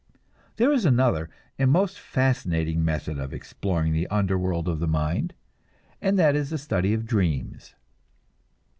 There is another, and most fascinating method of exploring this underworld of the mind, and that is the study of dreams.